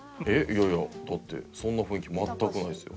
いやいやだってそんな雰囲気全くないですよ」